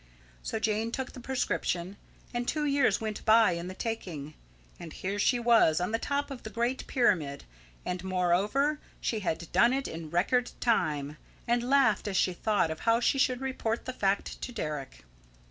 So Jane took the prescription, and two years went by in the taking; and here she was, on the top of the Great Pyramid, and, moreover, she had done it in record time, and laughed as she thought of how she should report the fact to Deryck.